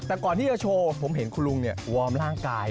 แต่ก่อนที่จะโชว์ผมเห็นคุณลุงวอร์มร่างกาย